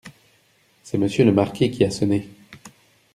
C’est monsieur le marquis qui a sonné ?